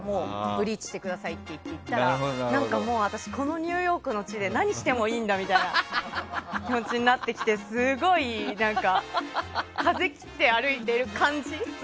ブリーチしてくださいって言ったら私、このニューヨークの地で何してもいいんだって気持ちになってきてすごい風切って歩いてる感じ。